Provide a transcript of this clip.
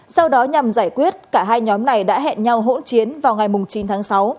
sau đó nhằm giải quyết cả hai nhóm này đã hẹn nhau hỗn chiến vào ngày chín tháng sáu